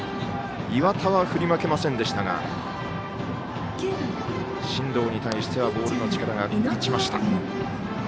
岩田は振り負けませんでしたが進藤に対してはボールの力が勝ちました。